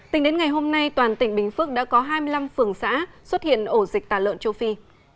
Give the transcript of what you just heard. tính đến ngày hôm nay toàn tỉnh bình phước đã có hai mươi năm phường xã xuất hiện ổ dịch tà lợn châu phi